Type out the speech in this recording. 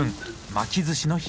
巻きずしの日。